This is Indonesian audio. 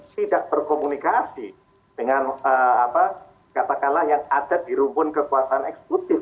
tidak berkomunikasi dengan katakanlah yang ada di rumpun kekuasaan eksekutif